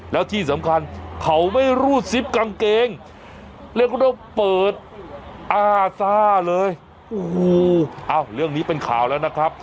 แล้วที่สำคัญเขาไม่รูดซิปกางเกงเรียกว่าเปิดอ้าซ่าเลยโอ้โหเรื่องนี้เป็นข่าวแล้วนะครับ